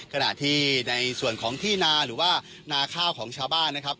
ขณะที่ในส่วนของที่นาหรือว่านาข้าวของชาวบ้านนะครับ